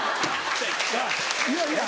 いやいや。